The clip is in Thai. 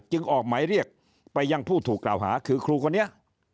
ออกหมายเรียกไปยังผู้ถูกกล่าวหาคือครูคนนี้